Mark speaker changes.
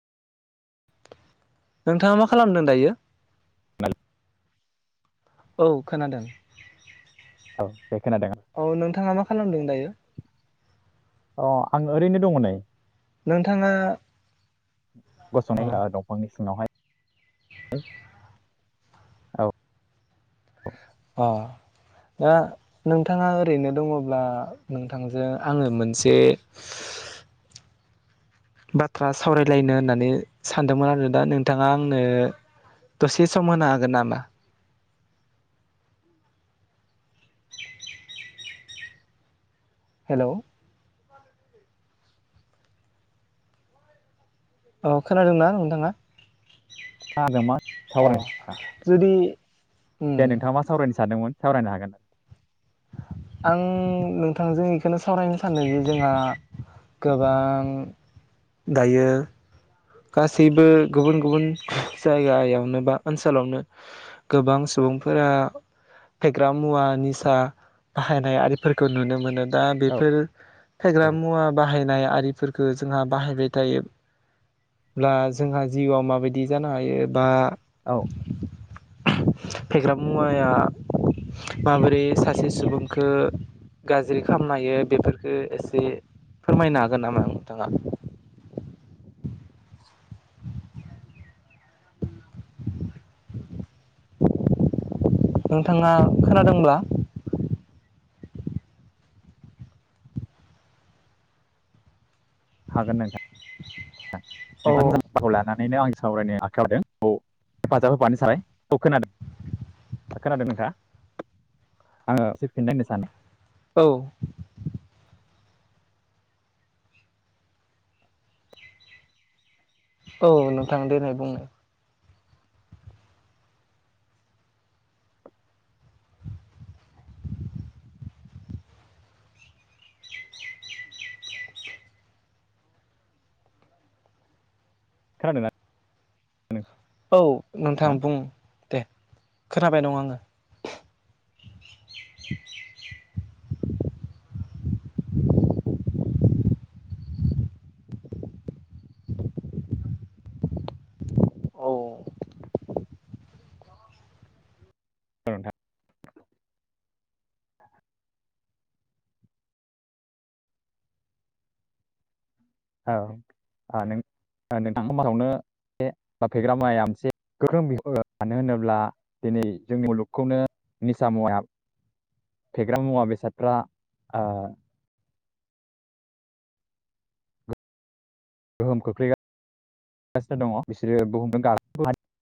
Speaker 1: नोंथाङा मा खालामदों दायो?
Speaker 2: औ
Speaker 1: औ खोनादों।
Speaker 2: दे खोनादों
Speaker 1: औ नोंथाङा मा खालामदों दायो?
Speaker 2: अ आं ओरैनो दङो नै।
Speaker 1: नोंथाङा
Speaker 2: गसंनाय
Speaker 1: अ'।
Speaker 2: ओ दंफांनि सिङावहाय औ
Speaker 1: अ दा नोंथाङा ओरैनो दङब्ला नोंथांजों आङो मोनसे बाथ्रा सावरायलायनो होननानै सानदोंमोन आरो दा नोंथाङा आंनो दसे सम होनो हागोन नामा? हेलौ? औ खोनादोंना नोंथाङा?
Speaker 2: [unintelligible] दे
Speaker 1: अ जुदि उम
Speaker 2: नोंथाङा मा सावरायनो सानदोंमोन सावरायनो हागोन।
Speaker 1: आं नोंथांजों इखौनो सावरायनो सानो जे जोंहा गोबां दायो गासैबो गुबुन गुबुन जायगायावनो बा ओनसोलावनो गोबां सुबुंफोरा फेग्रा मुवा निसा बाहायनाय आरिफोरखौ नुनो मोनो। दा
Speaker 2: औ
Speaker 1: बेफोर फेग्रा मुवा बाहाय नाय आरिफोरखो जोंहा बाहायबाय थायो ब्ला जोंहा जिउआव माबायदि जानो हायो बा
Speaker 2: औ।
Speaker 1: फेग्रा मुवाया माबोरै सासे सुबुंखो गाज्रि खामनो हायो बेफोरफोरखो एसे फोरमायनो हागोन नामा नोंथाङा? नोंथाङा खोनादोंब्ला?
Speaker 2: हागोन नोंथां।
Speaker 1: औ
Speaker 2: [unintelligible] खौ लानानैनो आं सावरायनो आखायाव लादों औ हेफाजाब होफानो सान [unintelligible] औ खोनादों। खोनादों नोंथाङा? आङो एसे फिननाय होनो सानो।
Speaker 1: औ। औ नोंथां देनाय बुंनाय।
Speaker 2: खोनादोंना
Speaker 1: औ नोंथां बुं। दे खोनाबाय दं आङो। औ।
Speaker 2: [unintelligible] औ [unintelligible] ओ नों ओ नोंथां समाजावनो बे एबा फेग्रा मुवाया मोनसे गोख्रों [unintelligible] मानो होनोब्ला दिनै जोंनि मुलुगखौनो निसा मुवाया फेग्रा मुवा बेसादफ्रा ओ गोहोम खोख्लै गासिनो दङ बिसोरो बुहुम [unintelligible]